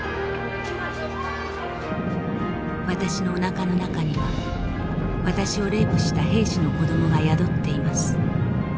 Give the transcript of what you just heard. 「私のおなかの中には私をレイプした兵士の子どもが宿っています。